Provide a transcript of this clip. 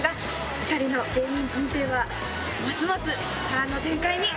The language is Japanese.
２人の芸人人生はますます波乱の展開に。